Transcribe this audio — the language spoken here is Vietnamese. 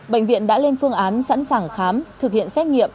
bệnh viện đã lên phương án sẵn sàng khám thực hiện xét nghiệm